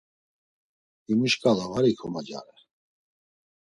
Himu şǩala var ikomocare.